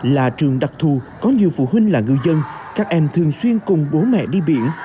là trường đặc thù có nhiều phụ huynh là ngư dân các em thường xuyên cùng bố mẹ đi biển